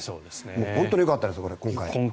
本当によかったです、今回。